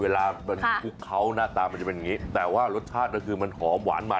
เวลามันคลุกเขาหน้าตามันจะเป็นอย่างนี้แต่ว่ารสชาติก็คือมันหอมหวานมัน